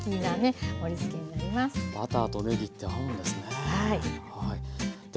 バターとねぎって合うんですね。